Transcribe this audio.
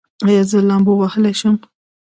ایا زه لامبو وهلی شم؟